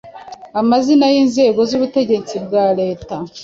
Amazina y’inzego z’ubutegetsi bwa leta